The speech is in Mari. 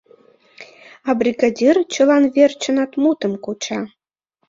А бригадир чылан верчынат мутым куча.